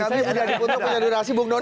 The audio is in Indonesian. saya budi adiputro punya durasi bung donal